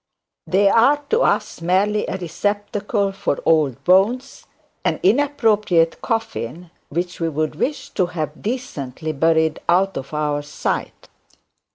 They are to us, merely a receptacle for old bones, and inappropriate coffin, which we would wish to have decently buried out of our sight.